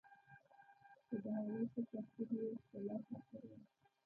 خو د هغوی ښه ترتیب يې ښکلا ساتلي وه.